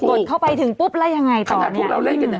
กดเข้าไปทั้งปุ๊บแล้วยังไงต่อเนี่ย